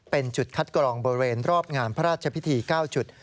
เป็นจุดคัดกรองบริเวณรอบงานพระราชพิธี๙จุด